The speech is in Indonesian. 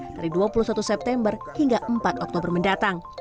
dari dua puluh satu september hingga empat oktober mendatang